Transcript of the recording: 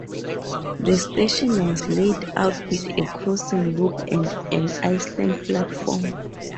The station was laid out with a crossing loop and an island platform.